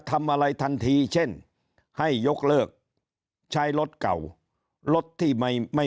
ทำอะไรทันทีเช่นให้ยกเลิกใช้รถเก่ารถที่ไม่ไม่